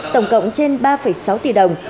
tổng cộng trên ba sáu tỷ đồng